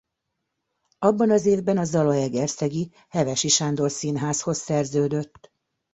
Abban az évben a zalaegerszegi Hevesi Sándor Színházhoz szerződött.